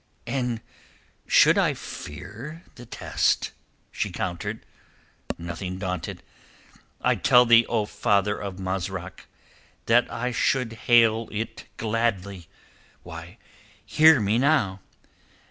"And should I fear the test?" she countered, nothing daunted. "I tell thee, O father of Marzak, that I should hail it gladly. Why, hear me now.